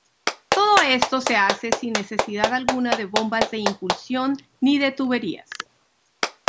Todo esto se hace sin necesidad alguna de bombas de impulsión ni de tuberías.